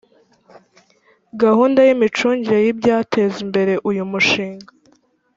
gahunda y’imicungire y ibyateza imbere uyu mushinga,